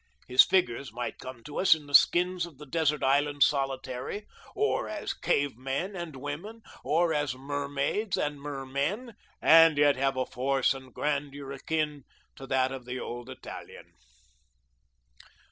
His figures might come to us in the skins of the desert island solitary, or as cave men and women, or as mermaids and mermen, and yet have a force and grandeur akin to that of the old Italian.